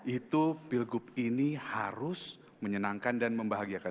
itu pilgub ini harus menyenangkan dan membahagiakan